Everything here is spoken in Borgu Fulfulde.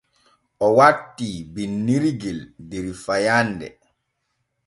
O wattii binnirgel der fayande.